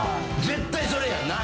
絶対それやんな。